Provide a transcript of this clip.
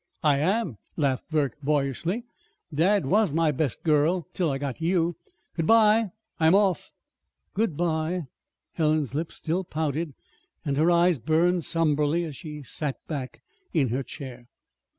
"I am," laughed Burke boyishly. "Dad was my best girl till I got you. Good bye! I'm off." "Good bye." Helen's lips still pouted, and her eyes burned somberly as she sat back in her chair.